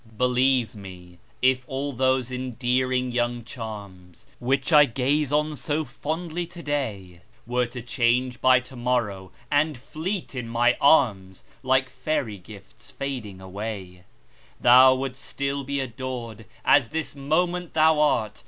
Believe me, if all those endearing young charms, Which I gaze on so fondly today, Were to change by to morrow, and fleet in my arms, Like fairy gifts fading away, Thou wouldst still be adored, as this moment thou art.